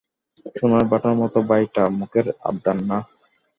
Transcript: সোনার ভাটার মতো ভাইটা, মুখের আবদার না।